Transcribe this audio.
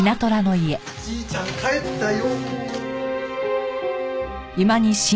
じいちゃん帰ったよ。